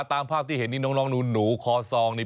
ตามภาพที่เห็นนี่น้องหนูคอซองนี่